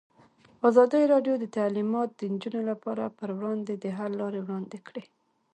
ازادي راډیو د تعلیمات د نجونو لپاره پر وړاندې د حل لارې وړاندې کړي.